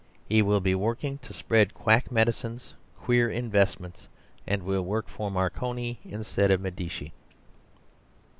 He will be working to spread quack medicines, queer investments; and will work for Marconi instead of Medici.